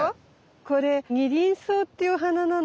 これニリンソウっていうお花なの。